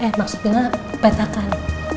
eh maksudnya petakan